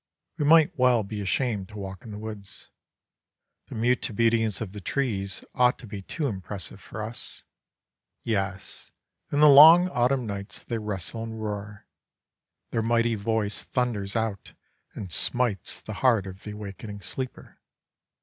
We might well be ashamed to walk in the woods. The mute obedience of the trees ought to be too impressive for us. Yes, in the long autumn nights they wrestle and roar. Their mighty voice thunders out and smites the heart of the awakening sleeper.